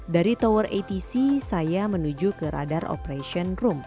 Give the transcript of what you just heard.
dari tower atc saya menuju ke radar operation room